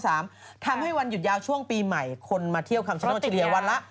ทำให้วันหยุดยาวช่วงปีใหม่คนมาเที่ยวคำชโนธเฉลี่ยวันละ